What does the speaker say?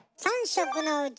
３食のうち